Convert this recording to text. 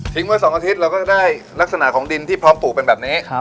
เมื่อ๒อาทิตย์เราก็ได้ลักษณะของดินที่พร้อมปลูกเป็นแบบนี้